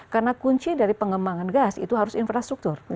karena kunci dari pengembangan gas itu harus infrastruktur